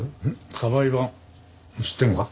サバイバ知ってるのか？